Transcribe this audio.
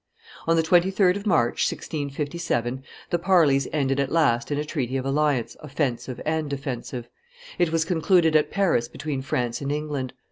On the 23d of March, 1657, the parleys ended at last in a treaty of alliance offensive and defensive; it was concluded at Paris between France and England.